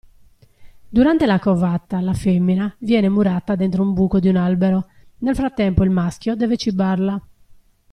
Durante la covata, la femmina, viene murata dentro un buco di un albero, nel frattempo il maschio deve cibarla.